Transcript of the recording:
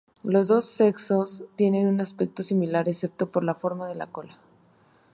Los dos sexos tienen un aspecto similar excepto por la forma de la cola.